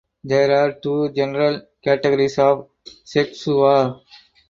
There are two general categories of setsuwa.